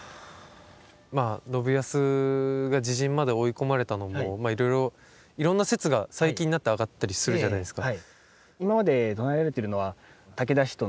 まあ信康が自刃まで追い込まれたのもいろいろいろんな説が最近になって上がったりするじゃないですか。